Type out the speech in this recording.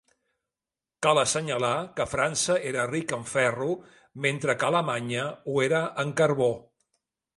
Cal assenyalar que França era rica en ferro mentre que Alemanya ho era en carbó.